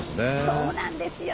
そうなんですよ！